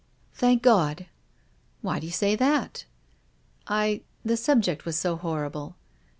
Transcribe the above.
Thank God." " Why d'you say that ?"" I — the subject was so horrible."